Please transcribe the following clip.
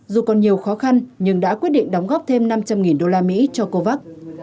dù còn nhiều khó khăn nhưng đã quyết định đóng góp thêm năm trăm linh usd cho covax